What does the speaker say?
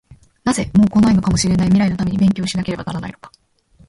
なぜ、もう来ないかもしれない未来のために勉強しなければならないのか？